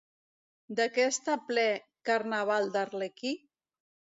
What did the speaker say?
De què està ple Carnaval d'Arlequí?